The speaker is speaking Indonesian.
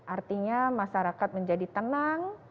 artinya masyarakat menjadi tenang